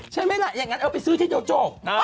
ใช่ไหมล่ะอย่างนั้นเอาไปซื้อที่เดียวจบ